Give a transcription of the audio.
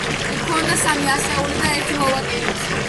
გვქონდა სამი ასეული და ერთი მოვაკელით.